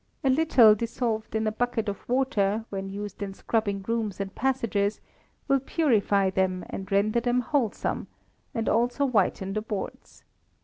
A little dissolved in a bucket of water, when used in scrubbing rooms and passages, will purify them and render them wholesome, and also whiten the boards.